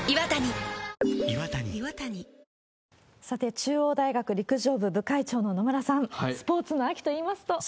中央大学陸上部部会長の野村さん、スポーツの秋といいますと。